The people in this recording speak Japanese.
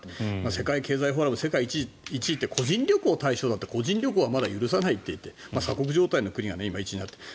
世界経済フォーラム世界１位って個人旅行対象だって個人旅行はまだ許さないといって鎖国状態の国が１位になっている。